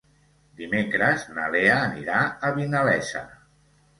Dimecres na Lea anirà a Vinalesa.